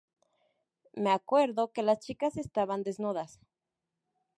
Me acuerdo que las chicas estaban desnudas".